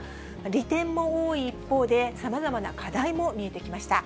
利点も多い一方で、さまざまな課題も見えてきました。